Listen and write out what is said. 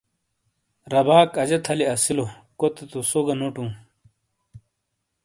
رَباک اَجہ تھَلی اَسِیلو کو تے تو سو گہ نوٹُوں۔